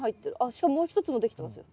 しかももう一つもできてますよ。